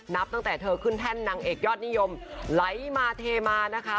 นับตั้งแต่เธอขึ้นแท่นนางเอกยอดนิยมไหลมาเทมานะคะ